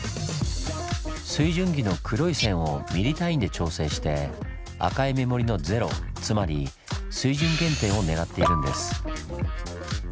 水準儀の黒い線をミリ単位で調整して赤い目盛りの「０」つまり水準原点を狙っているんです。